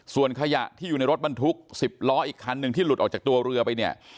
ส่วนขยะที่อยู่ในรถบรรทุก๑๐ล้ออีกคันหนึ่งที่หลุดออกจากตัวเรือไปเนี่ย